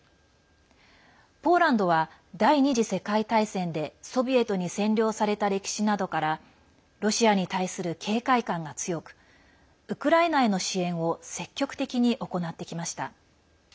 ポーランドは第２次世界大戦でソビエトに占領された歴史などからロシアに対する警戒感が強くウクライナへの支援を積極的に行ってきました。